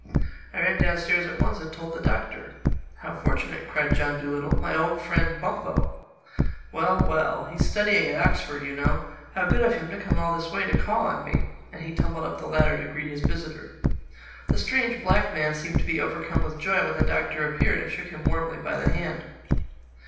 I ran downstairs at once and told the Doctor. "How fortunate!" cried John Dolittle. "My old friend Bumpo! Well, well!—He's studying at Oxford, you know. How good of him to come all this way to call on me!" And he tumbled up the ladder to greet his visitor. The strange black man seemed to be overcome with joy when the Doctor appeared and shook him warmly by the hand.